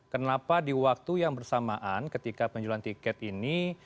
kenapa di waktu yang bersamaan ketika penjualan tiket ini